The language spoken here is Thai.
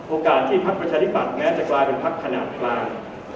โอกาสที่พักประชาธิบัตย์แม้จะกลายเป็นพักขนาดกลาง